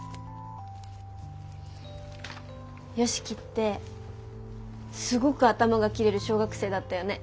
良樹ってすごく頭がキレる小学生だったよね。